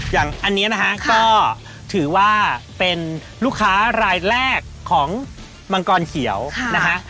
อย่างอันนี้นะคะก็ถือว่าเป็นลูกค้ารายแรกของมังกรเขียวนะคะ